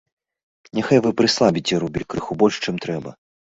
Няхай вы прыслабіце рубель крыху больш, чым трэба.